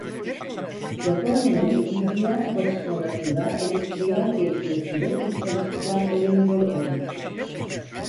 Japonya'nın ikinci Dünya Savaşı sonrasında endüstriyel gelişmesinde bu çalışmalar önemli rol oynamıştır.